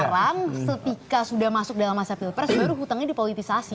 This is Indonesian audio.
jadi sekarang setika sudah masuk dalam masa pilpres baru hutangnya dipolitisasi